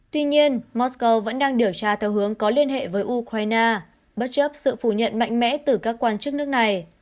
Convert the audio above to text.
tuy nhiên moscow vẫn đang điều tra theo hướng có liên hệ với ukraine bất chấp sự phủ nhận mạnh mẽ từ các quan chức nước này